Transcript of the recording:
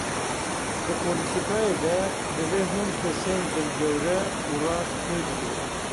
Di polîtîkayê de divê hûn kesên dilgewre û rast hilbijêrin.